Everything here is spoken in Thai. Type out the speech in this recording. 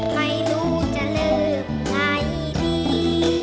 ไม่รู้จะเลิกใครดี